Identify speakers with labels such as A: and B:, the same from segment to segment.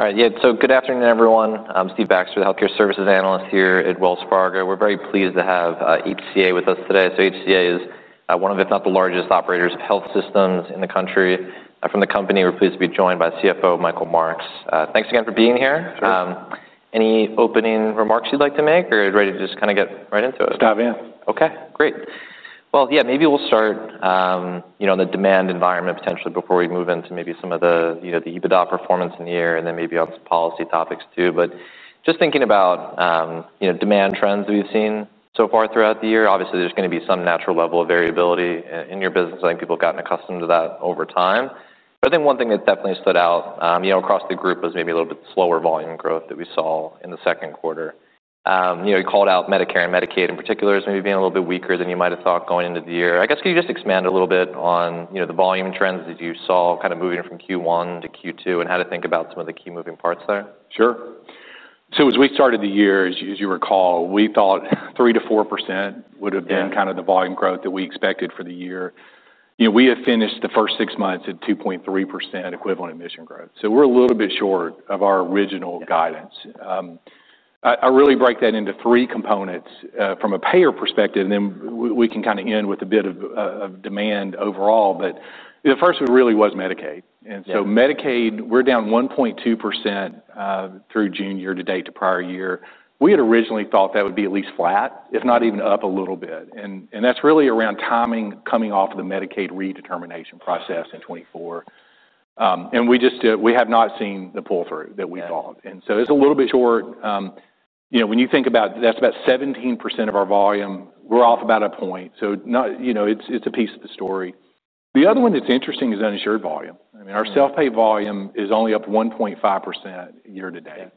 A: All right. Good afternoon, everyone. I'm Steve Baxter, the Healthcare Services Analyst here at Wells Fargo. We're very pleased to have HCA Healthcare with us today. HCA Healthcare is one of, if not the largest, operators of health systems in the country. From the company, we're pleased to be joined by CFO Michael Marks. Thanks again for being here.
B: Sure.
A: Any opening remarks you'd like to make, or are you ready to just kind of get right into it?
B: Dive in.
A: Okay. Great. Maybe we'll start, you know, on the demand environment potentially before we move into maybe some of the, you know, the EBITDA performance in the year, and then maybe on some policy topics too. Just thinking about, you know, demand trends that we've seen so far throughout the year. Obviously, there's going to be some natural level of variability in your business. I think people have gotten accustomed to that over time. I think one thing that definitely stood out, you know, across the group was maybe a little bit slower volume growth that we saw in the second quarter. You called out Medicare and Medicaid in particular as maybe being a little bit weaker than you might have thought going into the year. I guess, could you just expand a little bit on, you know, the volume trends that you saw kind of moving from Q1 to Q2 and how to think about some of the key moving parts there?
B: Sure. As we started the year, as you recall, we thought 3%- 4% would have been of the volume growth that we expected for the year. You know, we have finished the first six months at 2.3% equivalent admission growth. We're a little bit short of our original guidance. I really break that into three components, from a payer perspective, and then we can kinda end with a bit of demand overall. The first one really was Medicaid. Medicaid, we're down 1.2% through June year to date to prior year. We had originally thought that would be at least flat, if not even up a little bit. That's really around timing coming off of the Medicaid redetermination process in 2024, and we just have not seen the pull-through that we thought. It's a little bit short. You know, when you think about it, that's about 17% of our volume. We're off about a point. It's a piece of the story. The other one that's interesting is uninsured volume. I mean, our self-pay volume is only up 1.5% year to date.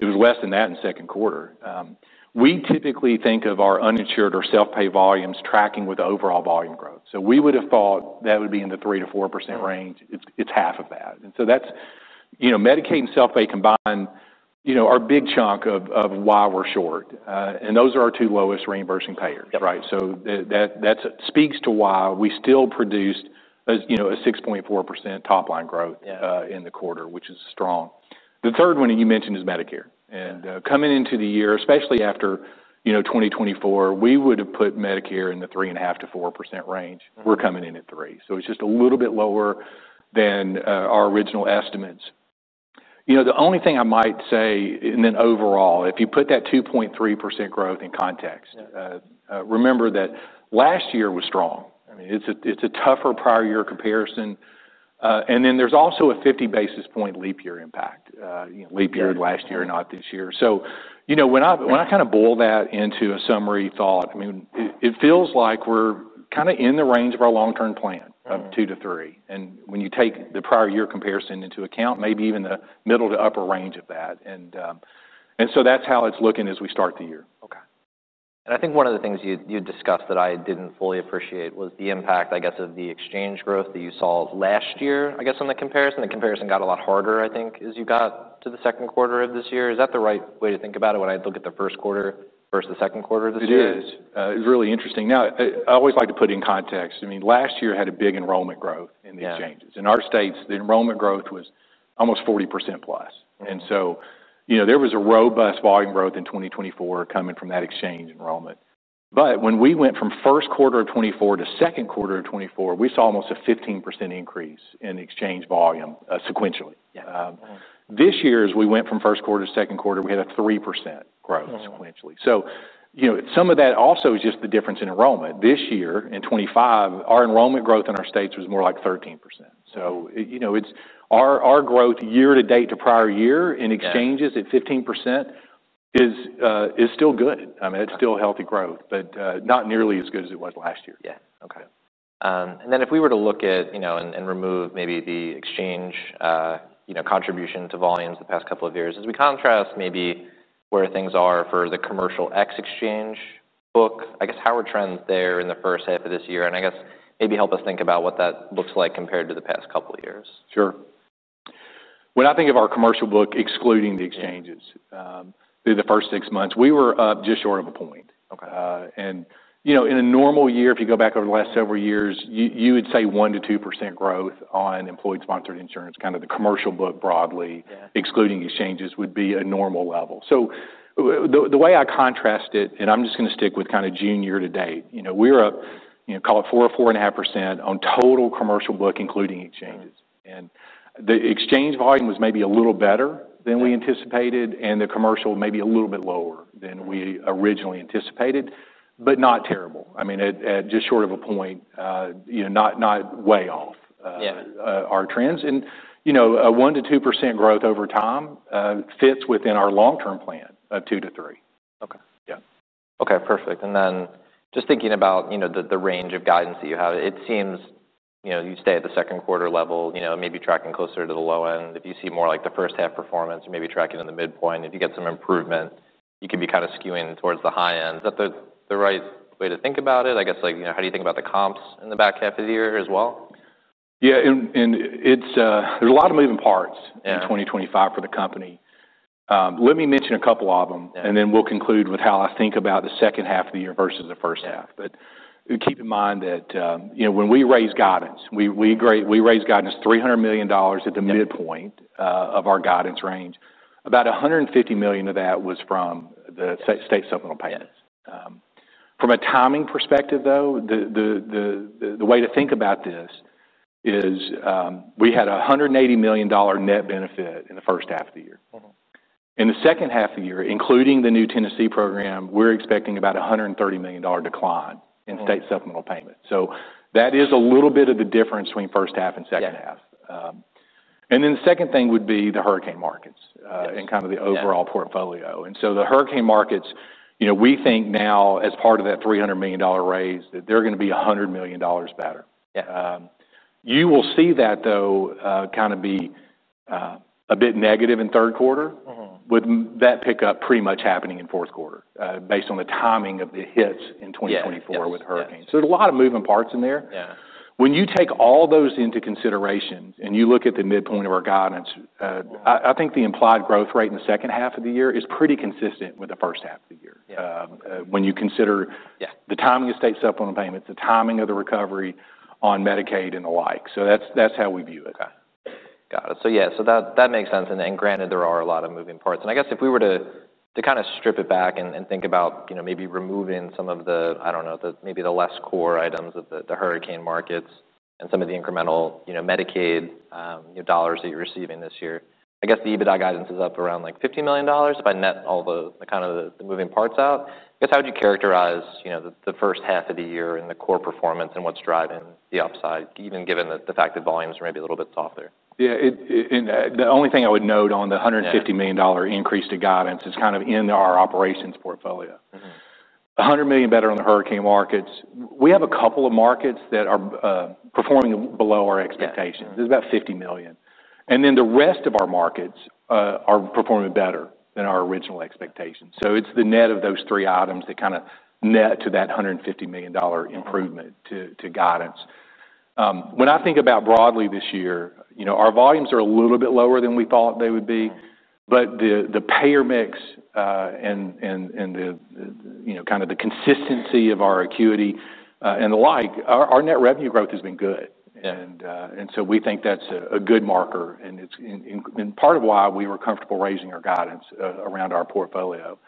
B: It was less than that in the second quarter. We typically think of our uninsured or self-pay volumes tracking with the overall volume growth. We would have thought that would be in the 3% to 4% range. It's half of that. Medicaid and self-pay combined are a big chunk of why we're short, and those are our two lowest reimbursing payers.
A: Yep.
B: That speaks to why we still produced a, you know, a 6.4% top-line growth.
A: Yeah.
B: In the quarter, which is strong. The third one you mentioned is Medicare. Coming into the year, especially after, you know, 2024, we would have put Medicare in the 3.5% - 4% range. We're coming in at 3%. It's just a little bit lower than our original estimates. The only thing I might say, overall, if you put that 2.3% growth in context.
A: Yeah.
B: Remember that last year was strong. I mean, it's a tougher prior year comparison, and then there's also a 50 bps leap year impact. You know, leap year. Last year, not this year. When I kinda boil that into a summary thought, I mean, it feels like we're kinda in the range of our long-term plan of 2 %- 3%. When you take the prior year comparison into account, maybe even the middle to upper range of that. That's how it's looking as we start the year.
A: Okay. I think one of the things you discussed that I didn't fully appreciate was the impact, I guess, of the exchange growth that you saw last year, I guess, on the comparison. The comparison got a lot harder, I think, as you got to the second quarter of this year. Is that the right way to think about it when I look at the first quarter versus the second quarter of this year?
B: It is. It's really interesting. Now, I always like to put it in context. I mean, last year had a big enrollment growth in the exchanges.
A: Yeah.
B: In our states, the enrollment growth was almost 40% +. Th ere was a robust volume growth in 2024 coming from that exchange enrollment. When we went from first quarter of 2024 to second quarter of 2024, we saw almost a 15% increase in the exchange volume, sequentially.
A: Yeah.
B: This year as we went from first quarter to second quarter, we had a 3% growth s equentially. S ome of that also is just the difference in enrollment. This year, in 2025, our enrollment growth in our states was more like 13%. It's our growth year to date to prior year in exchanges a t 15% is still good. I mean, that's still healthy growth, not nearly as good as it was last year.
A: Yeah. Okay. If we were to look at, you know, and remove maybe the exchange, you know, contribution to volumes the past couple of years, as we contrast maybe where things are for the commercial exchange book, I guess, how are trends there in the first half of this year? I guess, maybe help us think about what that looks like compared to the past couple of years.
B: Sure. When I think of our commercial book excluding the exchanges, t hrough the first six months, we were up just short of a point.
A: Okay.
B: In a normal year, if you go back over the last several years, you would say 1% - 2% growth on employer-sponsored insurance, kind of the commercial book broadly.
A: Yeah.
B: Excluding exchanges would be a normal level. The way I contrast it, and I'm just going to stick with kinda June year to date, you know, we were up, you know, call it 4% or 4.5% on total commercial book including exchanges. The exchange volume was maybe a little better than we anticipated, and the commercial maybe a little bit lower than we originally anticipated, but not terrible. I mean, at just short of a point, you know, not way off.
A: Yeah.
B: Our trends, you know, a 1% - 2% growth over time fits within our long-term plan of 2% - 3%.
A: Okay.
B: Yeah.
A: Okay. Perfect. Just thinking about the range of guidance that you have, it seems you stay at the second quarter level, maybe tracking closer to the low end. If you see more like the first half performance or maybe tracking in the midpoint, if you get some improvement, you could be kinda skewing towards the high end. Is that the right way to think about it? I guess, how do you think about the comps in the back half of the year as well?
B: Yeah, it's, there's a lot of moving parts.
A: Yeah.
B: In 2025 for the company, let me mention a couple of them.
A: Yeah.
B: I'll conclude with how I think about the second half of the year versus the first half. Keep in mind that, you know, when we raise guidance, we agree, we raised guidance $300 million at the midpoint of our guidance range. About $150 million of that was from the state supplemental payments. From a timing perspective, the way to think about this is, we had a $180 million net benefit in the first half of the year. In the second half of the year, including the new Tennessee program, we're expecting about a $130 million decline in state supplemental payments. That is a little bit of the difference between first half and second half.
A: Yeah.
B: The second thing would be the hurricane markets, and kind of the overall portfolio.
A: Yeah.
B: The hurricane markets, you know, we think now as part of that $300 million raise, that they're going to be $100 million better.
A: Yeah.
B: You will see that, though, kind of be a bit negative in third quarter. With that pickup pretty much happening in fourth quarter, based on the timing of the hits in 2024.
A: Yeah.
B: With hurricanes, there's a lot of moving parts in there.
A: Yeah.
B: When you take all those into consideration and you look at the midpoint of our guidance, I think the implied growth rate in the second half of the year is pretty consistent with the first half of the year.
A: Yeah.
B: When you consider.
A: Yeah.
B: The timing of state supplemental payments, the timing of the recovery on Medicaid and the like. That's how we view it.
A: Okay. Got it. That makes sense. Granted, there are a lot of moving parts. If we were to kind of strip it back and think about maybe removing some of the, I don't know, maybe the less core items of the hurricane markets and some of the incremental Medicaid dollars that you're receiving this year, I guess the EBITDA guidance is up around $50 million if I net all the moving parts out. How would you characterize the first half of the year and the core performance and what's driving the upside, even given the fact that volumes are maybe a little bit softer?
B: The only thing I would note on the $150 million increase to guidance is kind of in our operations portfolio. $100 million better on the hurricane markets. We have a couple of markets that are performing below our expectations. There's about $50 million, and then the rest of our markets are performing better than our original expectations. It's the net of those three items that kinda net to that $150 million improvement to guidance. When I think about broadly this year, you know, our volumes are a little bit lower than we thought they would be. The payer mix and the consistency of our acuity and the like, our net revenue growth has been good. We think that's a good marker, and it's part of why we were comfortable raising our guidance around our portfolio.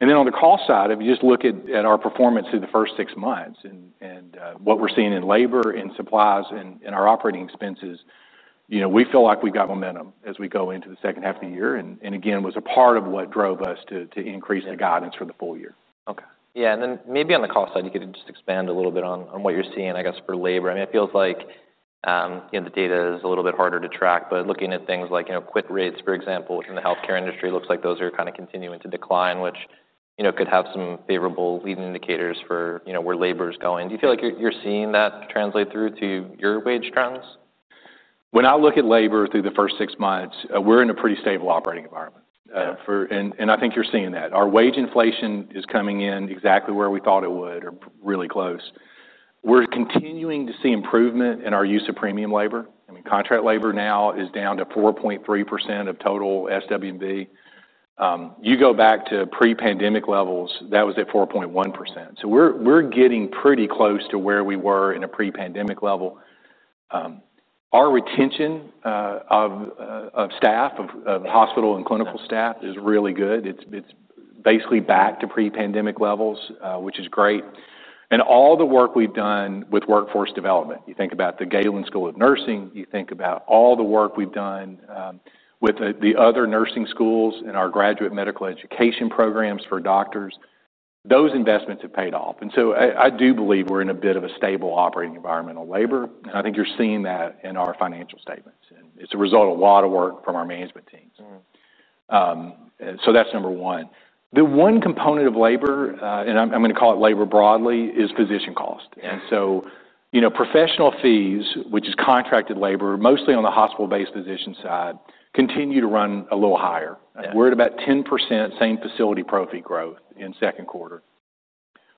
B: On the cost side, if you just look at our performance through the first six months and what we're seeing in labor and supplies and our operating expenses, we feel like we've got momentum as we go into the second half of the year. Again, it was a part of what drove us to increase the guidance for the full year.
A: Okay. Yeah. Maybe on the cost side, you could just expand a little bit on what you're seeing, I guess, for labor. I mean, it feels like, you know, the data is a little bit harder to track, but looking at things like, you know, quit rates, for example, in the healthcare industry, it looks like those are kind of continuing to decline, which could have some favorable leading indicators for where labor is going. Do you feel like you're seeing that translate through to your wage trends?
B: When I look at labor through the first six months, we're in a pretty stable operating environment. I think you're seeing that. Our wage inflation is coming in exactly where we thought it would or really close. We're continuing to see improvement in our use of premium labor. Contract labor now is down to 4.3% of total SWB. You go back to pre-pandemic levels, that was at 4.1%. We're getting pretty close to where we were in a pre-pandemic level. Our retention of staff, of hospital and clinical staff. It is really good. It's basically back to pre-pandemic levels, which is great. All the work we've done with workforce development, you think about the Galen School of Nursing, you think about all the work we've done with the other nursing schools and our graduate medical education programs for doctors, those investments have paid off. I do believe we're in a bit of a stable operating environment on labor. I think you're seeing that in our financial statements. It's a result of a lot of work from our management teams. That's number one. The one component of labor, and I'm going to call it labor broadly, is physician cost.
A: Yeah.
B: Professional fees, which is contract labor, mostly on the hospital-based physician side, continue to run a little higher.
A: Yeah.
B: We're at about 10% same facility profit growth in second quarter,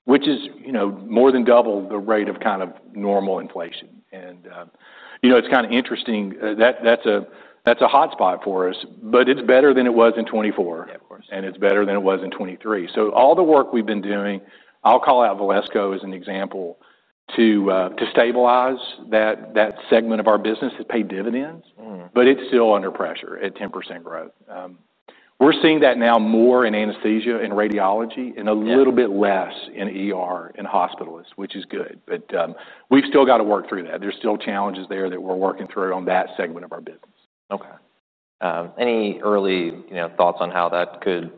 B: which is, you know, more than double the rate of kind of normal inflation. It's kinda interesting, that's a hotspot for us, but it's better than it was in 2024.
A: Yeah, of course.
B: It is better than it was in 2023. All the work we've been doing, I'll call out Valesco as an example to stabilize that segment of our business, that's paid dividends. It's still under pressure at 10% growth. We're seeing that now more in anesthesia and radiology, and a little bit less in hospitals, which is good. We've still gotta work through that. There's still challenges there that we're working through on that segment of our business.
A: Okay. Any early thoughts on how that could,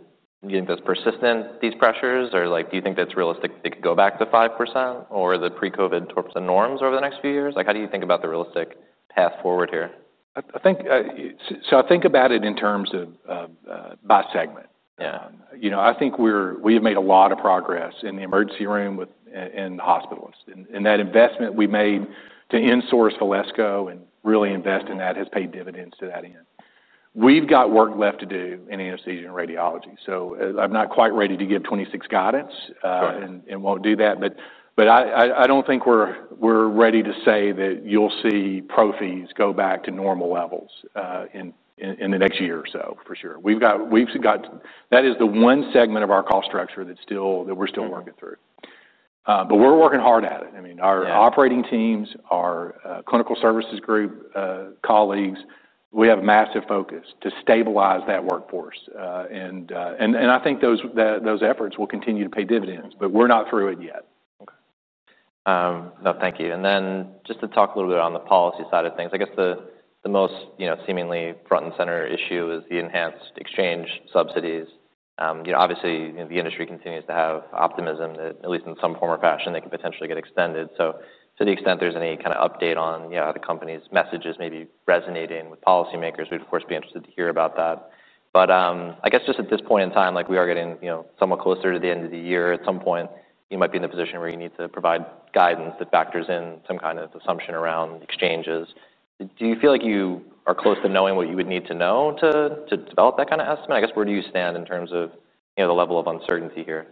A: you think that's persistent, these pressures? Do you think that's realistic they could go back to 5% or the pre-COVID towards the norms over the next few years? How do you think about the realistic path forward here?
B: I think about it in terms of, by segment.
A: Yeah.
B: I think we have made a lot of progress in the emergency room and hospitals. That investment we made to insource Valesco and really invest in that has paid dividends to that end. We've got work left to do in anesthesia and radiology. I'm not quite ready to give 2026 guidance.
A: Right.
B: I don't think we're ready to say that you'll see profits go back to normal levels in the next year or so, for sure. We've got, that is the one segment of our cost structure that's still, that we're still working through. We're working hard at it. I mean, our operating teams, our Clinical Services Group colleagues, we have a massive focus to stabilize that workforce, and I think those efforts will continue to pay dividends. We are not through it yet.
A: No, thank you. Just to talk a little bit on the policy side of things, I guess the most, you know, seemingly front and center issue is the enhanced exchange subsidies. Obviously, you know, the industry continues to have optimism that at least in some form or fashion they could potentially get extended. To the extent there's any kind of update on how the company's message is maybe resonating with policymakers, we'd, of course, be interested to hear about that. I guess just at this point in time, we are getting somewhat closer to the end of the year. At some point, you might be in the position where you need to provide guidance that factors in some kind of assumption around exchanges. Do you feel like you are close to knowing what you would need to know to develop that kind of estimate? I guess, where do you stand in terms of the level of uncertainty here?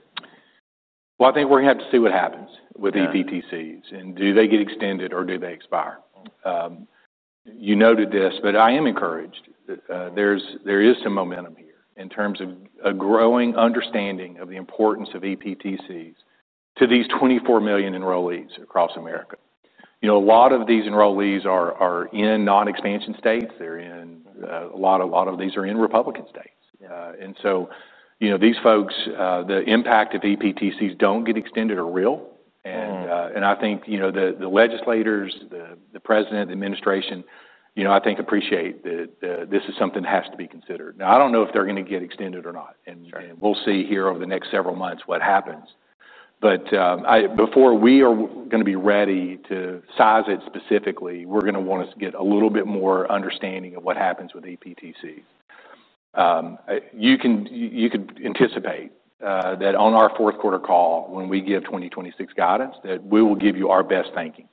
B: think we are going to have to see what happens with EPTCs. Do they get extended or do they expire? You noted this, but I am encouraged that there is some momentum here in terms of a growing understanding of the importance of EPTCs to these 24 million enrollees across America. A lot of these enrollees are in non-expansion states. A lot of these are in Republican states. These folks, the impact if EPTCs don't get extended are real. I think the legislators, the president, the administration, you know, I think appreciate that this is something that has to be considered. Now, I don't know if they're going to get extended or not.
A: Yeah.
B: We will see here over the next several months what happens. Before we are going to be ready to size it specifically, we are going to want to get a little bit more understanding of what happens with EPTCs. You could anticipate that on our fourth quarter call when we give 2026 guidance, we will give you our best thinking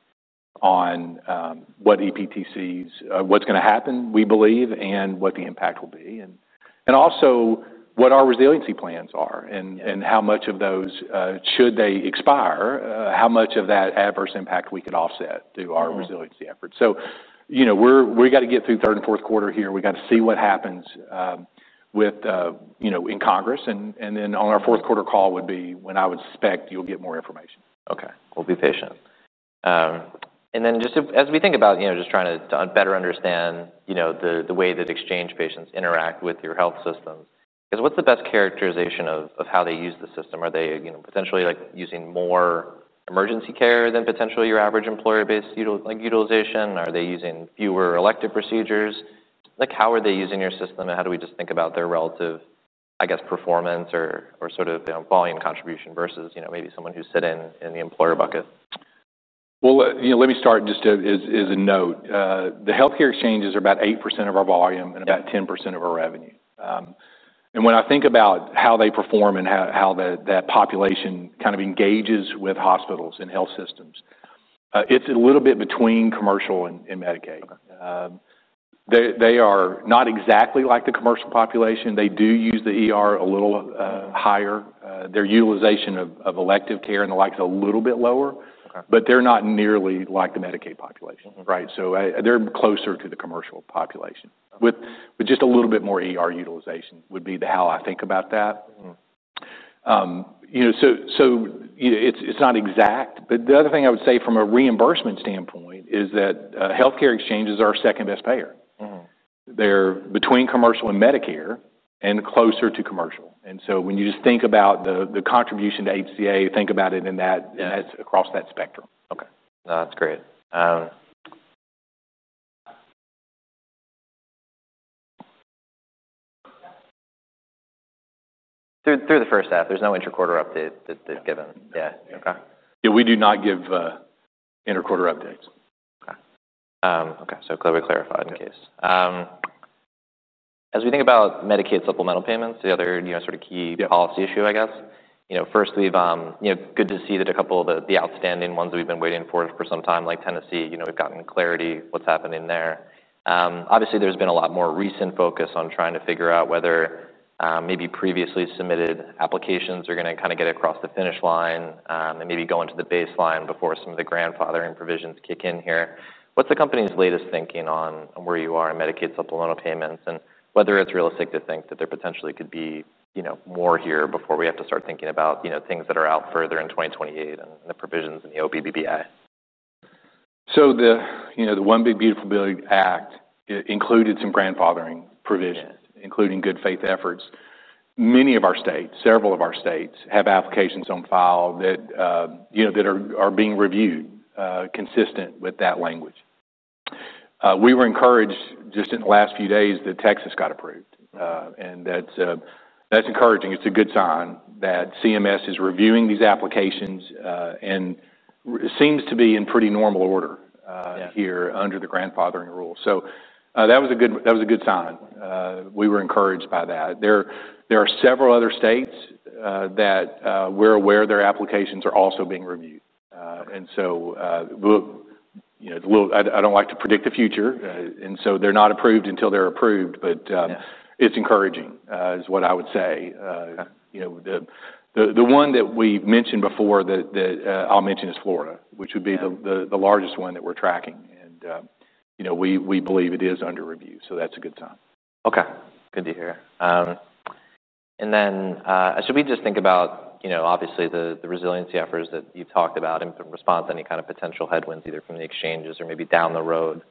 B: on what EPTCs, what is going to happen, we believe, and what the impact will be, and also what our resiliency plans are. How much of those, should they expire, how much of that adverse impact we could offset through our resiliency efforts. We got to get through third and fourth quarter here. We got to see what happens in Congress, and then on our fourth quarter call would be when I would expect you'll get more information.
A: Okay. We'll be patient. As we think about just trying to better understand the way that exchange patients interact with your health system, what's the best characterization of how they use the system? Are they potentially using more emergency care than potentially your average employer-based utilization? Are they using fewer elective procedures? How are they using your system? How do we just think about their relative performance or sort of volume contribution versus maybe someone who's sitting in the employer bucket?
B: Let me start just as a note. The healthcare exchanges are about 8% of our volume and about 10% of our revenue. When I think about how they perform and how that population kind of engages with hospitals and health systems, it's a little bit between commercial and Medicaid.
A: Okay.
B: They are not exactly like the commercial population. They do use a little higher. Their utilization of elective care and the likes is a little bit lower. They are not nearly like the Medicaid population. Right. They're closer to the commercial population. With just a little bit more utilization would be how I think about that. It's not exact. The other thing I would say from a reimbursement standpoint is that healthcare exchanges are our second best payer. They're between commercial and Medicare and closer to commercial. When you just think about the contribution to HCA Healthcare, think about it across that spectrum.
A: Okay. No, that's great. Through the first half, there's no interquarter update that they've given. Okay. Yeah, we do not give interquarter updates. Okay. Clearly clarified in case. As we think about Medicaid supplemental payments, the other, you know, sort of key policy issue, I guess, you know, first, we've, you know, it's good to see that a couple of the outstanding ones that we've been waiting for for some time, like Tennessee, you know, we've gotten clarity what's happening there. Obviously, there's been a lot more recent focus on trying to figure out whether, maybe previously submitted applications are going to kind of get across the finish line, and maybe go into the baseline before some of the grandfathering provisions kick in here. What's the company's latest thinking on where you are in Medicaid supplemental payments and whether it's realistic to think that there potentially could be, you know, more here before we have to start thinking about, you know, things that are out further in 2028 and the provisions in the OBBBI?
B: The One Big Beautiful Bill Act included some grandfathering provisions.
A: Yeah.
B: Including good faith efforts. Many of our states, several of our states have applications on file that are being reviewed, consistent with that language. We were encouraged just in the last few days that Texas got approved. That's encouraging. It's a good sign that CMS is reviewing these applications, and it seems to be in pretty normal order.
A: Yeah.
B: Here under the grandfathering rule. That was a good sign. We were encouraged by that. There are several other states that we're aware their applications are also being reviewed. I don't like to predict the future, and they're not approved until they're approved.
A: Yeah.
B: It's encouraging, is what I would say.
A: Okay.
B: The one that we've mentioned before that I'll mention is Florida, which would be the largest one that we're tracking. We believe it is under review. That's a good sign.
A: Okay. Good to hear. As we just think about, obviously, the resiliency efforts that you've talked about in response to any kind of potential headwinds, either from the exchanges or maybe down the road,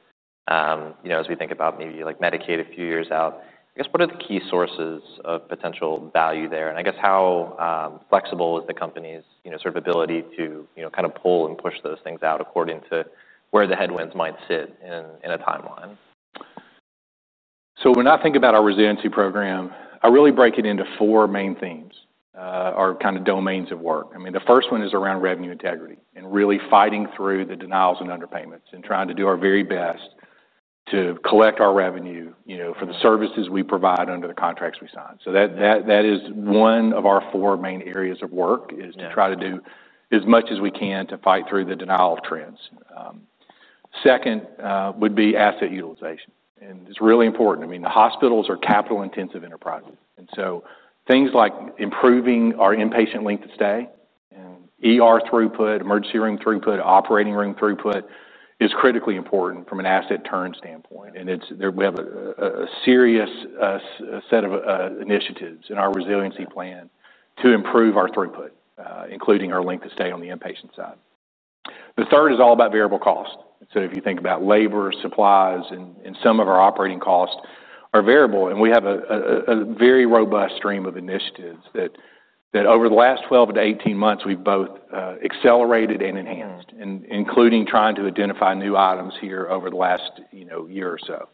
A: as we think about maybe, like, Medicaid a few years out, I guess, what are the key sources of potential value there? I guess, how flexible is the company's, you know, sort of ability to kind of pull and push those things out according to where the headwinds might sit in a timeline?
B: When I think about our resiliency program, I really break it into four main themes, or kind of domains of work. The first one is around revenue integrity and really fighting through the denials and underpayments and trying to do our very best to collect our revenue for the services we provide under the contracts we sign. That is one of our four main areas of work, to try to do as much as we can to fight through the denial trends. Second would be asset utilization. It's really important. The hospitals are capital-intensive enterprises, so things like improving our inpatient length of stay and throughput, emergency room throughput, operating room throughput is critically important from an asset turn standpoint. We have a serious set of initiatives in our resiliency plan to improve our throughput, including our length of stay on the inpatient side. The third is all about variable cost. If you think about labor, supplies, and some of our operating costs are variable. We have a very robust stream of initiatives that over the last 12 to 18 months, we've both accelerated and enhanced. Including trying to identify new items here over the last year or so,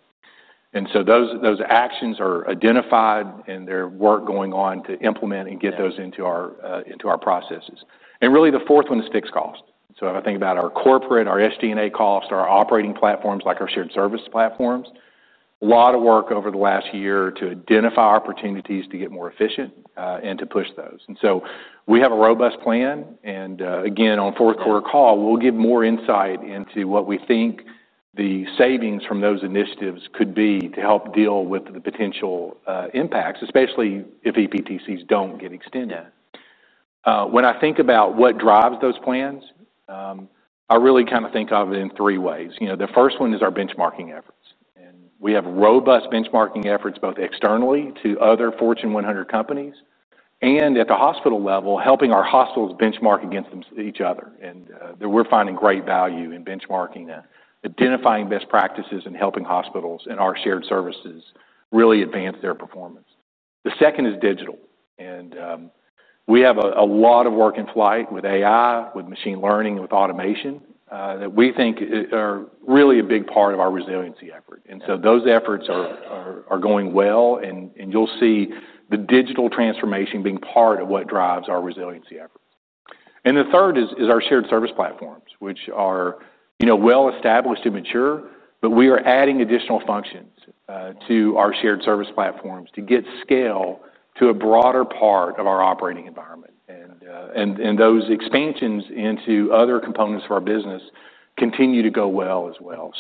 B: those actions are identified and there's work going on to implement and get those into our processes. Really, the fourth one is fixed cost. If I think about our corporate, our SG&A cost, our operating platforms, like our shared service platforms, a lot of work over the last year to identify opportunities to get more efficient and to push those. We have a robust plan. Again, on fourth quarter call, we'll give more insight into what we think the savings from those initiatives could be to help deal with the potential impacts, especially if EPTCs don't get extended.
A: Yeah.
B: When I think about what drives those plans, I really kind of think of it in three ways. The first one is our benchmarking efforts. We have robust benchmarking efforts both externally to other Fortune 100 companies and at the hospital level, helping our hospitals benchmark against each other. We're finding great value in benchmarking that, identifying best practices and helping hospitals and our shared services really advance their performance. The second is digital. We have a lot of work in flight with AI, with machine learning, and with automation, that we think are really a big part of our resiliency effort. Those efforts are going well. You'll see the digital transformation being part of what drives our resiliency effort. The third is our shared service platforms, which are well established and mature, but we are adding additional functions to our shared service platforms to get scale to a broader part of our operating environment. Those expansions into other components of our business continue to go well as well.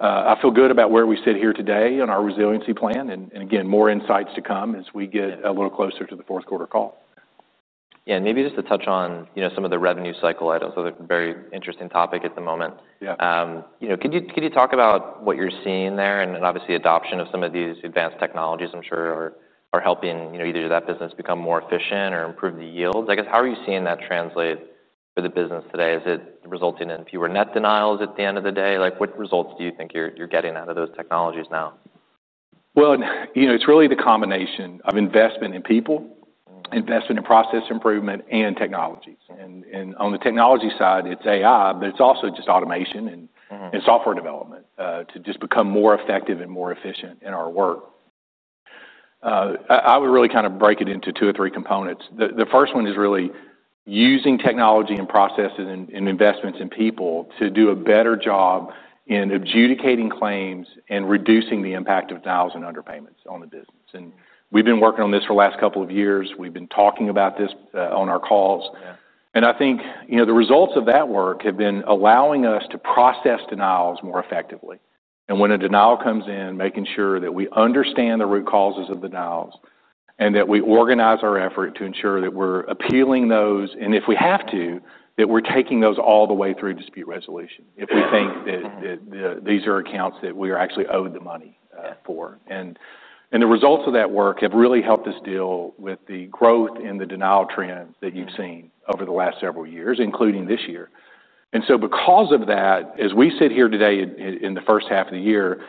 B: I feel good about where we sit here today on our resiliency plan. Again, more insights to come as we get a little closer to the fourth quarter call.
A: Maybe just to touch on, you know, some of the revenue cycle items, those are very interesting topics at the moment.
B: Yeah.
A: Could you talk about what you're seeing there? Obviously, adoption of some of these advanced technologies, I'm sure, are helping either that business become more efficient or improve the yields. I guess, how are you seeing that translate for the business today? Is it resulting in fewer net denials at the end of the day? What results do you think you're getting out of those technologies now?
B: It is really the combination of investment in people. Investment in process improvement and technologies. On the technology side, it's AI, but it's also just automation and software development to just become more effective and more efficient in our work. I would really kind of break it into two or three components. The first one is really using technology and processes and investments in people to do a better job in adjudicating claims and reducing the impact of denials and underpayments on the business. We've been working on this for the last couple of years. We've been talking about this on our calls.
A: Yeah.
B: I think the results of that work have been allowing us to process denials more effectively. When a denial comes in, making sure that we understand the root causes of the denials and that we organize our effort to ensure that we're appealing those, and if we have to, that we're taking those all the way through dispute resolution. If we think that these are accounts that we are actually owed the money for. The results of that work have really helped us deal with the growth in the denial trends that you've seen over the last several years, including this year. Because of that, as we sit here today in the first half of the year,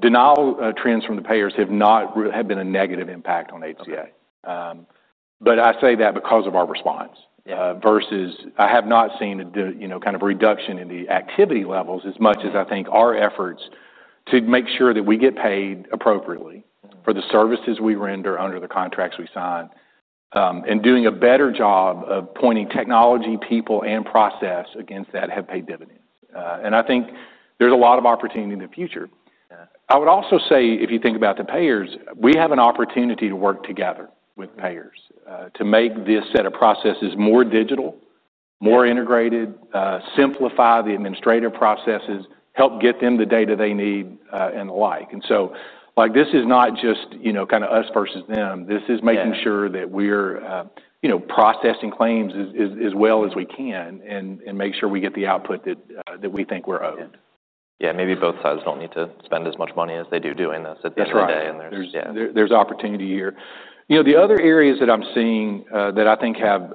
B: denial trends from the payers have not really had a negative impact on HCA Healthcare. I say that because of our response.
A: Yeah.
B: I have not seen the, you know, kind of reduction in the activity levels as much as I think our efforts to make sure that we get paid appropriately for the services we render under the contracts we sign, and doing a better job of pointing technology, people, and process against that have paid dividends. I think there's a lot of opportunity in the future.
A: Yeah.
B: I would also say, if you think about the payers, we have an opportunity to work together with payers to make this set of processes more digital, more integrated, simplify the administrative processes, help get them the data they need, and the like. This is not just, you know, kind of us versus them. This is making sure that we're processing claims as well as we can and make sure we get the output that we think we're owed.
A: Yeah, maybe both sides don't need to spend as much money as they do doing this at the end of the day.
B: That's right.
A: Yes.
B: There's opportunity here. The other areas that I'm seeing that I think have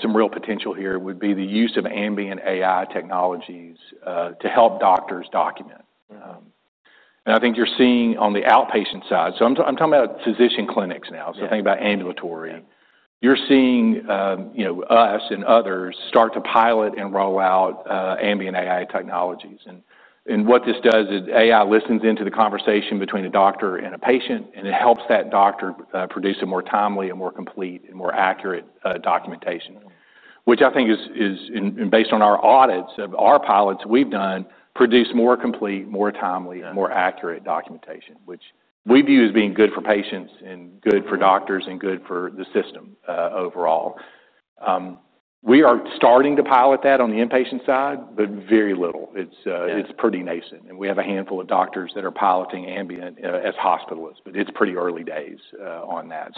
B: some real potential here would be the use of ambient AI technologies to help doctors document. I think you're seeing on the outpatient side, I'm talking about physician clinics now.
A: Yeah.
B: Think about ambulatory. You're seeing us and others start to pilot and roll out ambient AI technologies. What this does is AI listens into the conversation between a doctor and a patient, and it helps that doctor produce a more timely and more complete and more accurate documentation, which I think is, and based on our audits of our pilots we've done, produce more complete, more timely, more accurate documentation, which we view as being good for patients and good for doctors and good for the system overall. We are starting to pilot that on the inpatient side, but very little. It's pretty nascent. We have a handful of doctors that are piloting ambient at hospitals, but it's pretty early days on that.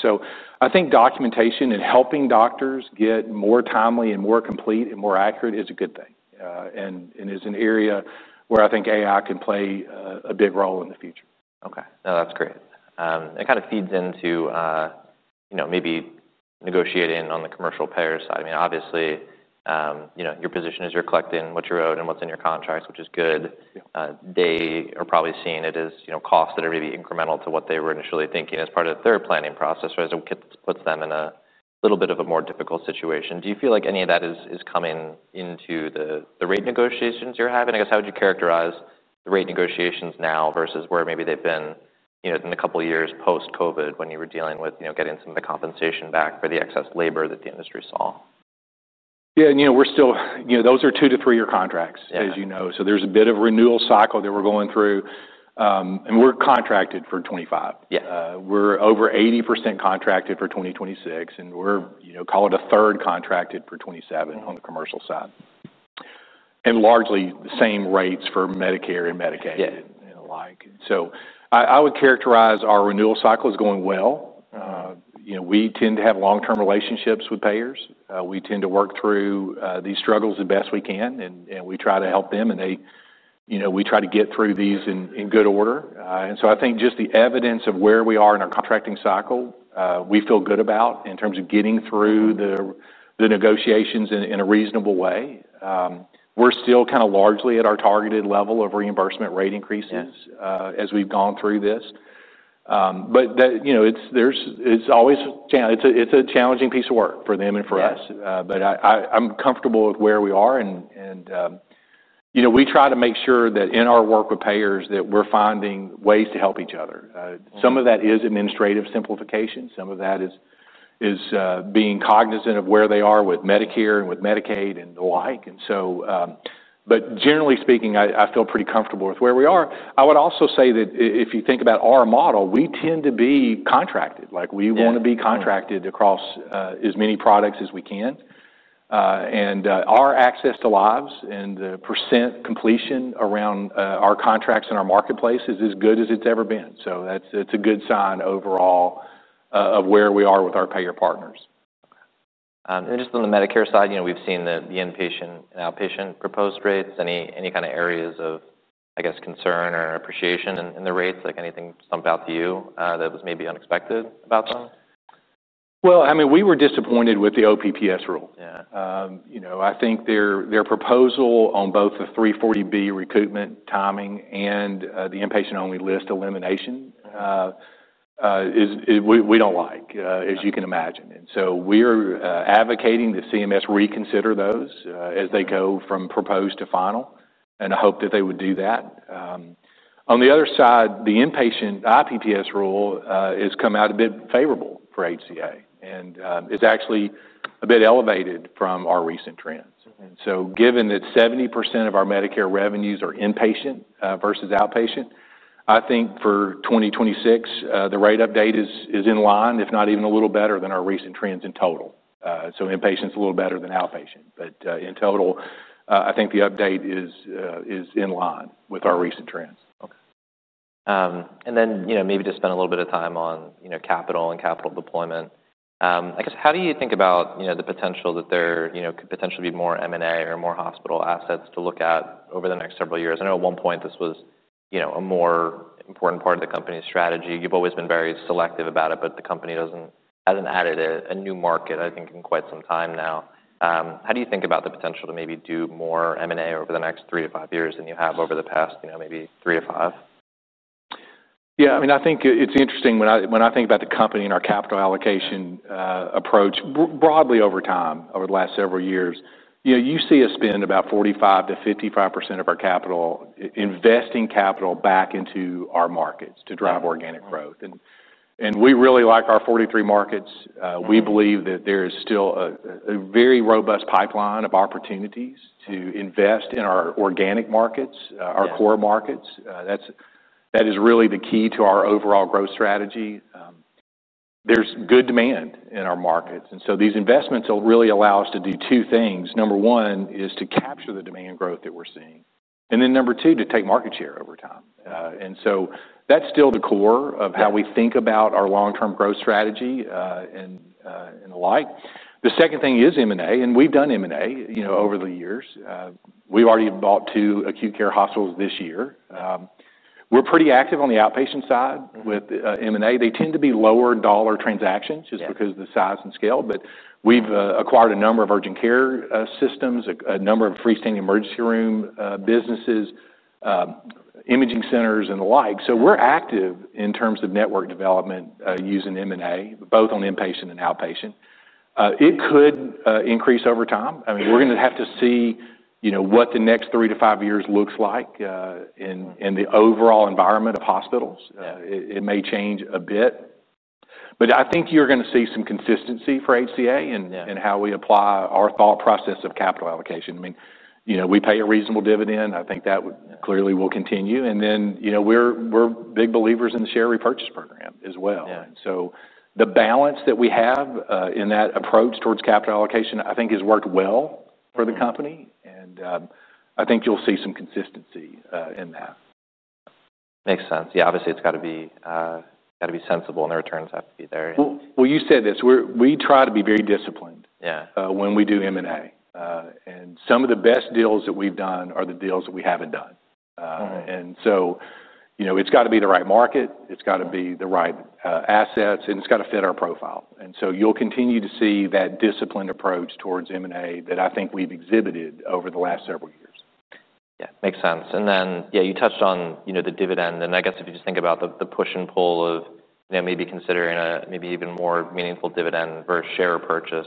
B: I think documentation and helping doctors get more timely and more complete and more accurate is a good thing, and it's an area where I think AI can play a big role in the future.
A: Okay. No, that's great. It kind of feeds into, you know, maybe negotiating on the commercial payer side. I mean, obviously, you know, your position is you're collecting what you're owed and what's in your contracts, which is good.
B: Yeah.
A: They are probably seeing it as, you know, costs that are maybe incremental to what they were initially thinking as part of their planning process, which puts them in a little bit of a more difficult situation. Do you feel like any of that is coming into the rate negotiations you're having? I guess, how would you characterize the rate negotiations now versus where maybe they've been, you know, in a couple of years post-COVID when you were dealing with, you know, getting some of the compensation back for the excess labor that the industry saw?
B: Yeah, you know, we're still, you know, those are two to three-year contracts.
A: Yeah.
B: As you know, there's a bit of renewal cycle that we're going through, and we're contracted for 2025.
A: Yeah.
B: We're over 80% contracted for 2026, and we're, you know, call it a third contracted for 2027 on the commercial side. Largely the same rates for Medicare and Medicaid.
A: Yeah.
B: I would characterize our renewal cycle as going well. We tend to have long-term relationships with payers. We tend to work through these struggles the best we can, and we try to help them. We try to get through these in good order. I think just the evidence of where we are in our contracting cycle, we feel good about in terms of getting through the negotiations in a reasonable way. We're still kind of largely at our targeted level of reimbursement rate increases.
A: Yeah.
B: As we've gone through this, it's always a challenge. It's a challenging piece of work for them and for us.
A: Yeah.
B: I'm comfortable with where we are. You know, we try to make sure that in our work with payers that we're finding ways to help each other. Some of that is administrative simplification. Some of that is being cognizant of where they are with Medicare and with Medicaid and the like. Generally speaking, I feel pretty comfortable with where we are. I would also say that if you think about our model, we tend to be contracted. We want to be contracted across as many products as we can, and our access to lives and the percent completion around our contracts in our marketplace is as good as it's ever been. That's a good sign overall of where we are with our payer partners.
A: On the Medicare side, we've seen the inpatient and outpatient proposed rates. Any areas of concern or appreciation in the rates? Did anything jump out to you that was maybe unexpected about them?
B: I mean, we were disappointed with the OPPS rule.
A: Yeah.
B: I think their proposal on both the 340B recoupment timing and the inpatient-only list elimination is, we don't like, as you can imagine. We're advocating that CMS reconsider those as they go from proposed to final. I hope that they would do that. On the other side, the inpatient IPPS rule has come out a bit favorable for HCA Healthcare. It's actually a bit elevated from our recent trends. Given that 70% of our Medicare revenues are inpatient versus outpatient, I think for 2026, the rate update is in line, if not even a little better than our recent trends in total. Inpatient's a little better than outpatient. In total, I think the update is in line with our recent trends.
A: Okay, and then, you know, maybe to spend a little bit of time on, you know, capital and capital deployment. I guess, how do you think about, you know, the potential that there, you know, could potentially be more M&A or more hospital assets to look at over the next several years? I know at one point this was, you know, a more important part of the company's strategy. You've always been very selective about it, but the company doesn't, hasn't added a new market, I think, in quite some time now. How do you think about the potential to maybe do more M&A over the next three to five years than you have over the past, you know, maybe three to five?
B: I think it's interesting when I think about the company and our capital allocation approach broadly over time. Over the last several years, you see us spend about 45% - 55% of our capital investing capital back into our markets to drive organic growth. We really like our 43 markets. We believe that there is still a very robust pipeline of opportunities to invest in our organic markets, our core markets. That is really the key to our overall growth strategy. There's good demand in our markets, and these investments will really allow us to do two things. Number one is to capture the demand growth that we're seeing, and number two, to take market share over time. That's still the core of how we think about our long-term growth strategy and the like. The second thing is M&A. We've done M&A over the years. We've already bought two acute care hospitals this year. We're pretty active on the outpatient side with M&A. They tend to be lower dollar transactions just because of the size and scale. We have acquired a number of urgent care systems, a number of freestanding emergency room businesses, imaging centers, and the like. We are active in terms of network development, using M&A, both on inpatient and outpatient. It could increase over time. I mean, we are going to have to see, you know, what the next three to five years looks like, and the overall environment of hospitals. It may change a bit. I think you're going to see some consistency for HCA Healthcare in how we apply our thought process of capital allocation. I mean, you know, we pay a reasonable dividend. I think that clearly will continue. You know, we're big believers in the share repurchase program as well.
A: Yeah.
B: The balance that we have in that approach towards capital allocation, I think, has worked well for the company. I think you'll see some consistency in that.
A: Makes sense. Yeah, obviously it's gotta be sensible, and the returns have to be there.
B: You said this. W e try to be very disciplined.
A: Yeah.
B: When we do M&A, some of the best deals that we've done are the deals that we haven't done. You know, it's gotta be the right market. It's gotta be the right assets. It's gotta fit our profile. You'll continue to see that disciplined approach towards M&A that I think we've exhibited over the last several years.
A: Makes sense. You touched on the dividend. If you just think about the push and pull of maybe considering a maybe even more meaningful dividend versus share purchase,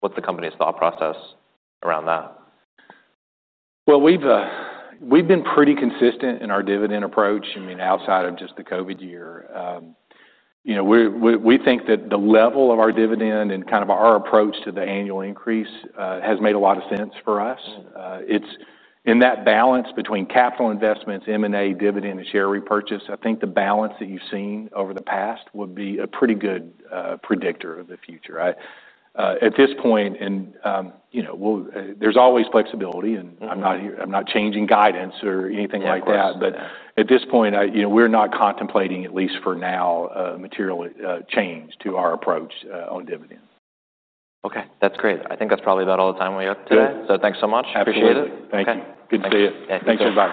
A: what's the company's thought process around that?
B: We've been pretty consistent in our dividend approach. I mean, outside of just the COVID year, we think that the level of our dividend and kind of our approach to the annual increase has made a lot of sense for us. It's in that balance between capital investments, M&A, dividend, and share repurchase. I think the balance that you've seen over the past would be a pretty good predictor of the future. At this point, there's always flexibility. I'm not changing guidance or anything like that.
A: Yeah.
B: At this point, we're not contemplating, at least for now, material change to our approach on dividend.
A: Okay, that's great. I think that's probably about all the time we have today.
B: Yeah.
A: Thank you so much. Appreciate it.
B: Thank you. Good to see you.
A: Thanks.
B: Thanks again.